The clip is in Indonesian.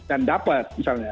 dan dapat misalnya